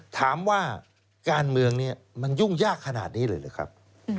ถามว่าการเมืองนี้มันยุ่งยากขนาดนี้เลยหรือครับ